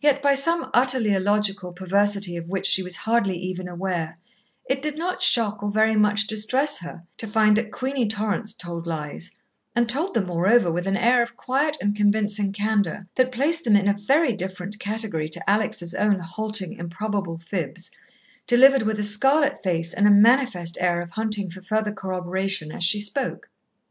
Yet by some utterly illogical perversity of which she was hardly even aware, it did not shock or very much distress her, to find that Queenie Torrance told lies, and told them, moreover, with an air of quiet and convincing candour that placed them in a very different category to Alex' own halting, improbable fibs, delivered with a scarlet face and a manifest air of hunting for further corroboration as she spoke.